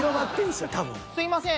すいません。